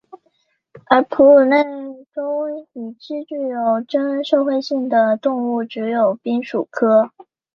而哺乳类中已知具有真社会性的动物只有滨鼠科。